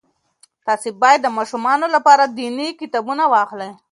تاسې باید د ماشومانو لپاره دیني کتابونه واخلئ.